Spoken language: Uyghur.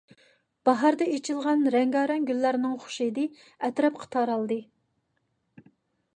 باھاردا ئېچىلغان رەڭگارەڭ گۈللەرنىڭ خۇش ھىدى ئەتراپقا تارالدى.